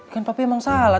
kan papi emang salah